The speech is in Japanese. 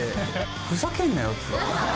ふざけんなよ！って。